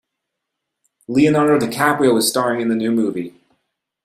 Leonardo DiCaprio is staring in the new movie.